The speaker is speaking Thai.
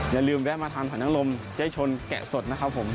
อย่าลืมแวะมาทางถวันน้ำลมจะให้ชนแกะสดนะครับผม